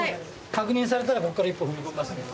確認されたらここから一歩踏み込みますんで。